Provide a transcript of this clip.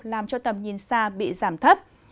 làm cho tầm nhìn xa bị giảm thấp